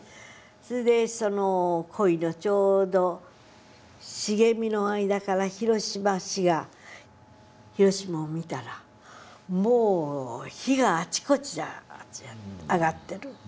それで己斐のちょうど茂みの間から広島市が広島を見たらもう火があちこちで上がってる。